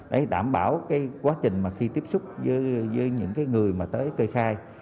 đấy đảm bảo cái quá trình mà khi tiếp xúc với những cái người mà tới cây khai